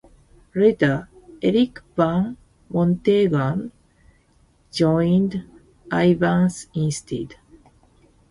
Later, Eric Van Wonterghem joined Ivens instead.